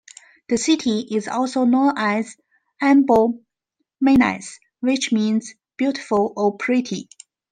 This city is also known as "Ambon Manise," which means "beautiful" or "pretty".